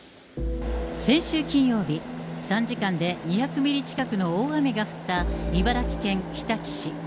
先週金曜日、３時間で２００ミリ近くの大雨が降った茨城県日立市。